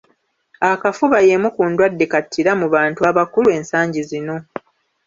Akafuba y’emu ku ndwadde kattira mu bantu abakulu ensangi zino.